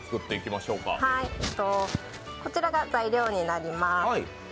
こちらが材料になります。